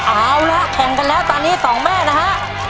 เอาละแข่งกันแล้วตอนนี้สองแม่นะฮะ